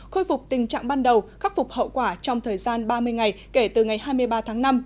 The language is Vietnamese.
khôi phục tình trạng ban đầu khắc phục hậu quả trong thời gian ba mươi ngày kể từ ngày hai mươi ba tháng năm